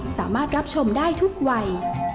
สามารถรับชมได้ทุกวัย